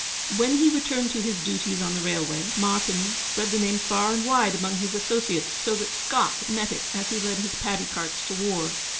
When he returned to his duties on the railway, Martyn spread the name far and wide among his associates, so that Scott met it as he led his paddy carts to war.